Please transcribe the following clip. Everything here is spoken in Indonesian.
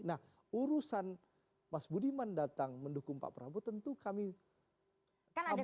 nah urusan mas budiman datang mendukung pak prabowo tentu kami sambut dengan tangan terbuka